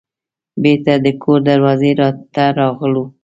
بیرته د کور دروازې ته راغلو.